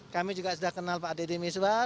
kami juga sudah kenal pak deddy miswar